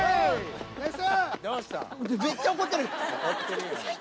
ナイス！